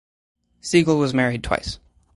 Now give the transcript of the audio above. Siegel was married twice.